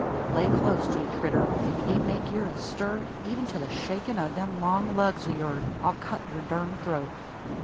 Lay clost, ye critter! Ef ye make ere a stir even to the shakin' o' them long lugs o' yourn I'll cut yur darned throat."